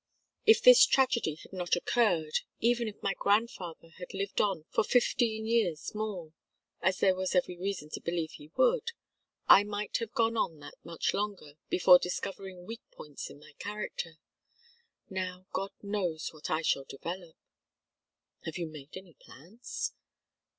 If this tragedy had not occurred, even if my grandfather had lived on for fifteen years more, as there was every reason to believe he would, I might have gone on that much longer before discovering weak points in my character. Now God knows what I shall develop." "Have you made any plans?"